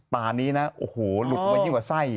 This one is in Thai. ป่านี้นะโอ้โหหลุดมายิ่งกว่าไส้